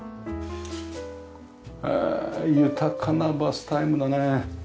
へえ豊かなバスタイムだね。